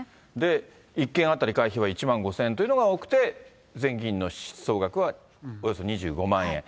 １件当たり会費は１万５０００円というのが多くて、全議員の総額はおよそ２５万円。